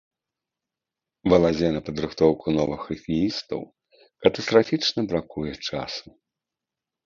Балазе на падрыхтоўку новых хакеістаў катастрафічна бракуе часу.